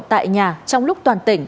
tại nhà trong lúc toàn tỉnh